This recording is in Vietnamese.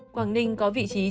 quảng ninh có vị trí triển